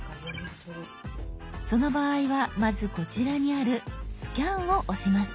その場合はまずこちらにある「スキャン」を押します。